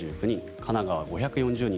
神奈川は５４０人